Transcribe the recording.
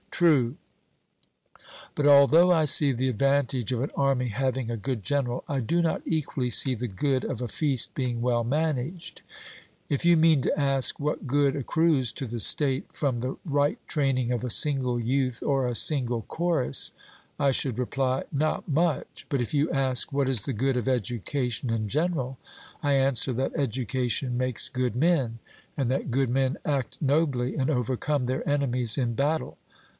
'True; but although I see the advantage of an army having a good general, I do not equally see the good of a feast being well managed.' If you mean to ask what good accrues to the state from the right training of a single youth or a single chorus, I should reply, 'Not much'; but if you ask what is the good of education in general, I answer, that education makes good men, and that good men act nobly and overcome their enemies in battle.